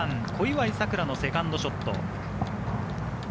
小祝さくらのセカンドショット。